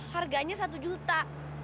harganya satu juta